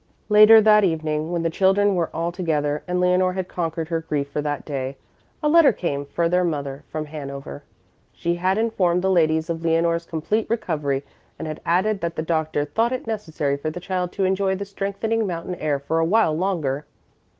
Later that evening when the children were all together and Leonore had conquered her grief for that day, a letter came for their mother from Hanover. She had informed the ladies of Leonore's complete recovery and had added that the doctor thought it necessary for the child to enjoy the strengthening mountain air for a while longer.